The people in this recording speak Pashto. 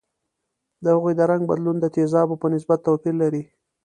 د هغوي د رنګ بدلون د تیزابو په نسبت توپیر لري.